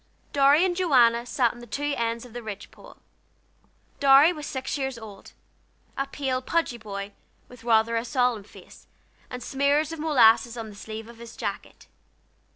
Dorry and Joanna sat on the two ends of the ridge pole. Dorry was six years old; a pale, pudgy boy, with rather a solemn face, and smears of molasses on the sleeve of his jacket.